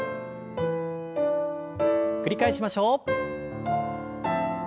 繰り返しましょう。